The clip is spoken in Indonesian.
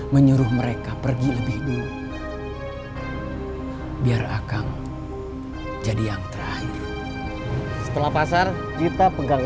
menyuruh mereka pergi lebih dulu biar akan jadi yang terakhir setelah pasar kita pegang